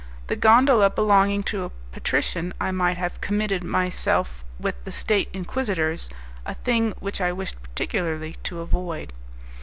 The gondola belonging to a patrician, I might have committed myself with the State Inquisitors a thing which I wished particularly to avoid.